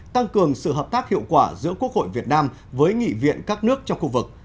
tăng cường sự hợp tác hiệu quả giữa quốc hội việt nam với nghị viện các nước trong khu vực